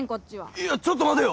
いやちょっと待てよ！